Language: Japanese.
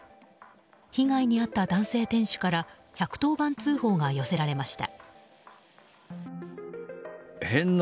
被害に遭った男性店主から１１０番通報が寄せられました。